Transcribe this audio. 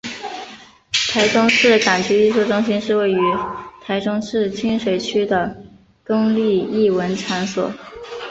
台中市港区艺术中心是位于台中市清水区的公立艺文场所。